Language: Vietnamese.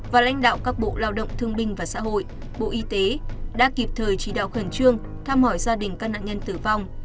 và lãnh đạo các bộ lao động thương binh và xã hội bộ y tế đã kịp thời chỉ đạo khẩn trương tham hỏi gia đình các nạn nhân tử vong